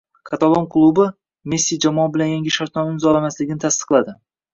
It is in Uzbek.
Katalon klubi Messi jamoa bilan yangi shartnoma imzolamasligini tasdiqladi